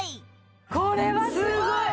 これはすごい！